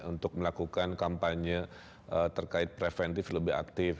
untuk melakukan kampanye terkait preventif lebih aktif